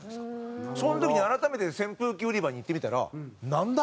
その時に改めて扇風機売り場に行ってみたらなんだ？